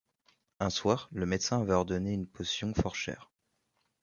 Un soir, le médecin avait ordonné une potion fort chère.